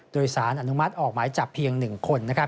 โดยสารอนุมัติออกหมายจับเพียง๑คน